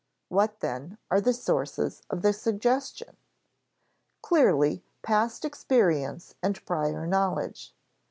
What, then, are the sources of the suggestion? Clearly past experience and prior knowledge.